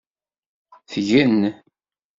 Tgen.